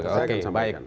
saya akan sampaikan